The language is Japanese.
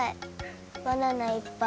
バナナいっぱい。